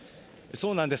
そうなんです。